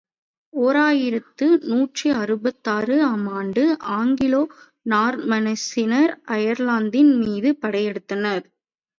ஓர் ஆயிரத்து நூற்றி அறுபத்தாறு ஆம் ஆண்டு ஆங்கிலோ நார்மன்ஸினர் அயர்லாந்தின் மீது படையெடுத்தனர்.